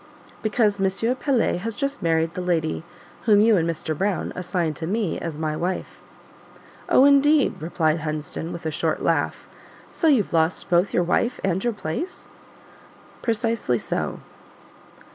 "Because M. Pelet has just married the lady whom you and Mr. Brown assigned to me as my wife." "Oh, indeed!" replied Hunsden with a short laugh; "so you've lost both your wife and your place?" "Precisely so."